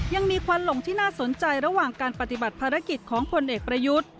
ควันหลงที่น่าสนใจระหว่างการปฏิบัติภารกิจของพลเอกประยุทธ์